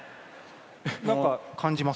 なんか感じます？